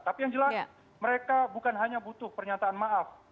tapi yang jelas mereka bukan hanya butuh pernyataan maaf